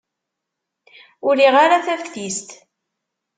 Ur riɣ ara taftist.